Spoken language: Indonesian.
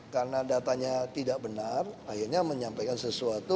karena datanya tidak benar akhirnya menyampaikan sesuatu